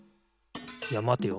いやまてよ。